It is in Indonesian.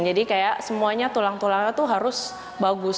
jadi kayak semuanya tulang tulangnya itu harus bagus